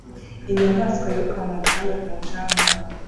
Inyamaswa yiruka mu mucanga ku mucanga